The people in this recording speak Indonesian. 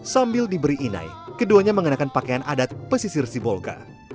sambil diberi inai keduanya mengenakan pakaian adat pesisir sibolga